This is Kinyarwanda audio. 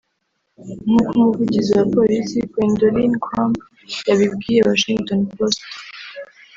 nk’uko umuvugizi wa polisi Gwendolyn Crump yabibwiye Washington Post